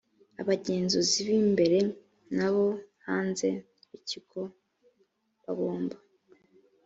abagenzuzi b imbere n abo hanze b ikigo bagomba